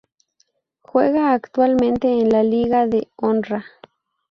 Juega actualmente en la Liga de Honra.